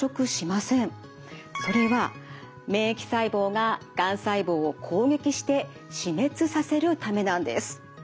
それは免疫細胞ががん細胞を攻撃して死滅させるためなんです。